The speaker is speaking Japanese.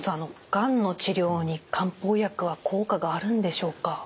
がんの治療に漢方薬は効果があるんでしょうか？